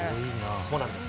そうなんです。